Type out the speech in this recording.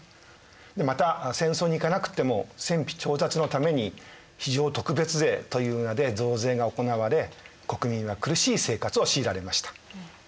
また戦争に行かなくても戦費調達のために非常特別税という名で増税が行われ国民は苦しい生活を強いられました。